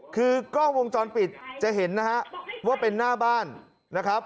คือกล้องวงจรปิดจะเห็นนะฮะว่าเป็นหน้าบ้านนะครับ